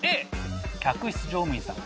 「Ａ客室乗務員さん」。